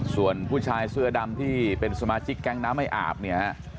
ส่วนผู้ชายเสื้อดำที่เป็นสมาชิกแก๊งน้ำไม่อาบเนี่ยฮะ